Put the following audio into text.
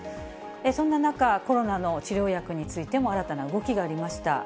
そんな中、コロナの治療薬についても新たな動きがありました。